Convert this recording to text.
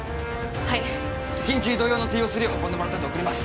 はい緊急移動用のＴＯ３を運んでもらったんで送ります